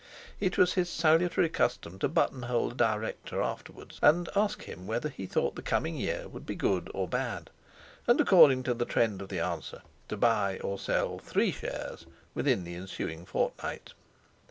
It was his salutary custom to buttonhole a director afterwards, and ask him whether he thought the coming year would be good or bad; and, according to the trend of the answer, to buy or sell three shares within the ensuing fortnight.